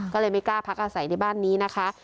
ก็เลยไม่กล้าพักอาศัยในบ้านนี้นะคะ